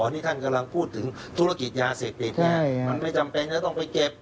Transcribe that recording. ที่ท่านกำลังพูดถึงธุรกิจยาเสพติดเนี่ยมันไม่จำเป็นจะต้องไปเก็บ